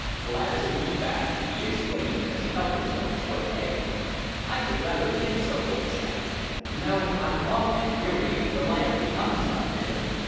"Glad to be back!" he exclaimed, as he helped himself to a "peg." "I should rather think so, old chap. You know how awfully wearying the life becomes out there.